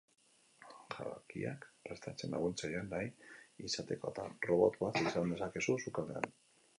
Jakiak prestatzen laguntzailea nahi izatekotan, robot bat izan dezakezu sukaldean.